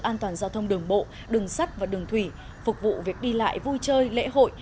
an toàn giao thông đường bộ đường sắt và đường thủy phục vụ việc đi lại vui chơi lễ hội